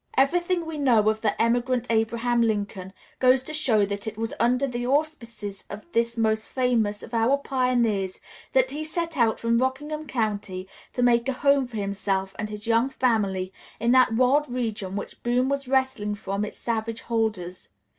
] Everything we know of the emigrant Abraham Lincoln goes to show that it was under the auspices of this most famous of our pioneers that he set out from Rockingham County to make a home for himself and his young family in that wild region which Boone was wresting from its savage holders.